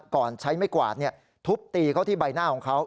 ก่อนใช้ไม่กวาดทุบตีเขาที่ใบหน้าของเขา